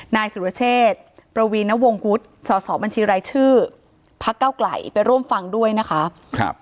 นายสุรเชษประวีนวงวุฒิสอสอบัญชีรายชื่อพักเก้าไกลไปร่วมฟังด้วยนะคะ